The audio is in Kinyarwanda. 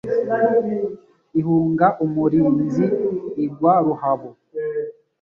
Ihunga umurinzi igwa ruhabo